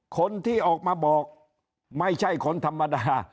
คนที่ออกมาบอกไม่ใช่คนธรรมดา